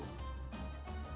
jadi sesuatu yang dirindu